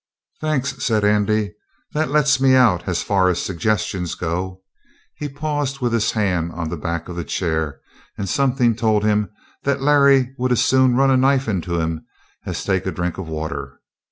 "Thanks," said Andy. "That lets me out as far as suggestions go." He paused with his hand on the back of the chair, and something told him that Larry would as soon run a knife into him as take a drink of water.